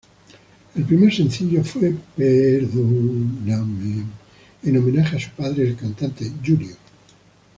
El primer sencillo fue "Perdóname", en homenaje a su padre, el cantante Junior.